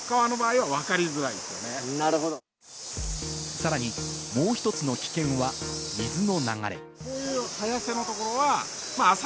さらにもう１つの危険は水の流れ。